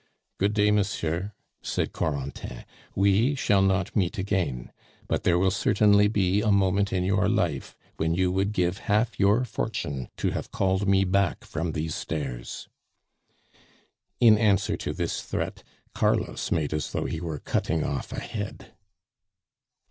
"Good day, monsieur," said Corentin. "We shall not meet again. But there will certainly be a moment in your life when you would give half your fortune to have called me back from these stairs." In answer to this threat, Carlos made as though he were cutting off a head.